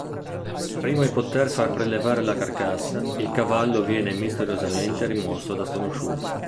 Prima di poter far prelevare la carcassa, il cavallo viene misteriosamente rimosso da sconosciuti.